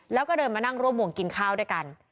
แล้วก็เดินมานั่งร่วมวงกินข้าวด้วยกัน